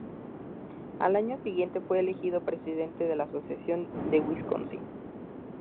Al año siguiente fue elegido presidente de la Asociación de Wisconsin.